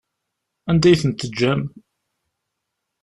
Anda i tent-teǧǧam?